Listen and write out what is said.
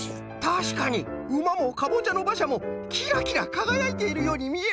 たしかにうまもかぼちゃのばしゃもキラキラかがやいているようにみえるぞい！